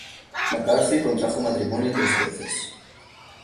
McCarthy contrajo matrimonio tres veces.